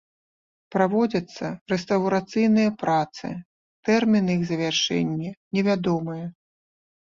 Праводзяцца рэстаўрацыйныя працы, тэрміны іх завяршэння невядомыя.